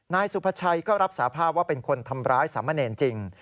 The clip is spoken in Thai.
นายสุภาชัยก็รับสาภาพว่าเป็นคนทำร้ายสามเณรจริง